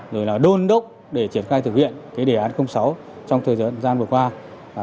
rồi là đôn đốc để triển khai thực hiện cái đề án sáu trong thời gian vừa qua